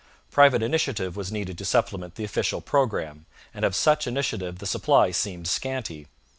Private initiative was needed to supplement the official programme, and of such initiative the supply seemed scanty.